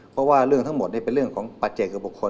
เพราะว่าเรื่องทั้งหมดเป็นเรื่องของปัจเจกกับบุคคล